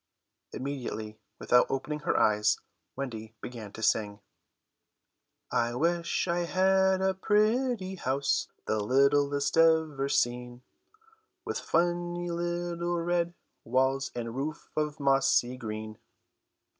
Immediately, without opening her eyes, Wendy began to sing: "I wish I had a pretty house, The littlest ever seen, With funny little red walls And roof of mossy green."